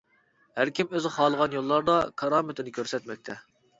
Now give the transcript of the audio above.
ھەركىم ئۆزى خالىغان يوللاردا كارامىتىنى كۆرسەتمەكتە.